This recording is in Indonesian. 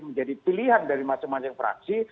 menjadi pilihan dari masing masing fraksi